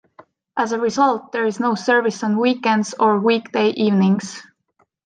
As a result, there is no service on weekends or weekday evenings.